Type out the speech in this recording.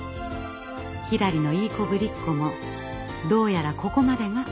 ひらりのいい子ぶりっ子もどうやらここまでが限界だったようです。